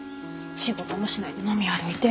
仕事もしないで飲み歩いて。